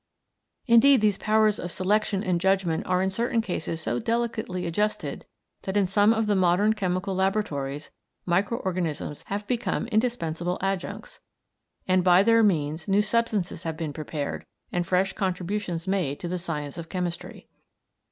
Indeed, these powers of selection and judgment are in certain cases so delicately adjusted that in some of the modern chemical laboratories micro organisms have become indispensable adjuncts, and by their means new substances have been prepared and fresh contributions made to the science of chemistry.